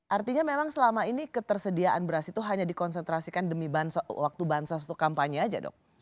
artinya memang selama ini ketersediaan beras itu hanya dikonsentrasikan demi waktu bansos untuk kampanye aja dok